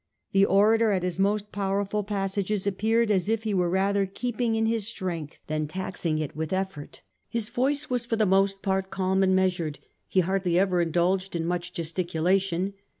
The orator at his most powerful passages appeared as if he were rather keeping in his .strength than taxing 1641 6 . JOHN BRIGHT. U3 it with effort. His voice was for the most part calm and measured ; he hardly ever indulged in much gesticulation.